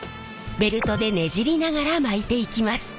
ベルトでねじりながら巻いていきます。